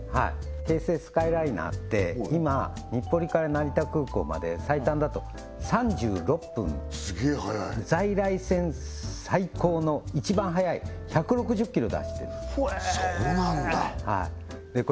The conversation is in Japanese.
京成スカイライナーって今日暮里から成田空港まで最短だと３６分すげえ速い在来線最高の一番速い１６０ｋｍ出してるんですほえ！